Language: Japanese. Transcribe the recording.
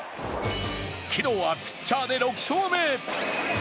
昨日はピッチャーで６勝目。